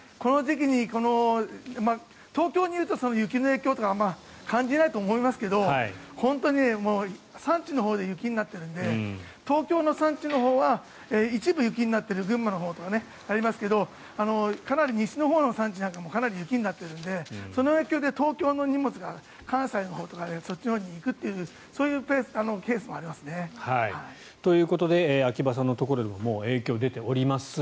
この時期にこの東京にいると雪の影響とかあまり感じないと思いますけど本当に、産地のほうで雪になっているので東京の産地のほうは一部、雪になってる群馬のほうとかね、ありますけどかなり西のほうの産地なんかもかなり雪になっているのでその影響で東京の荷物が関西のほうとかでそっちのほうに行くというケースもありますね。ということで秋葉さんのところでも影響が出ております。